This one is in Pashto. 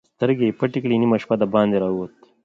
سترګې يې پټې کړې، نيمه شپه د باندې را ووت.